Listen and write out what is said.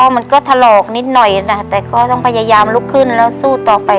มันก็ถลอกนิดหน่อยนะแต่ก็ต้องพยายามลุกขึ้นแล้วสู้ต่อไป